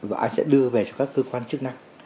và anh sẽ đưa về cho các cơ quan chức năng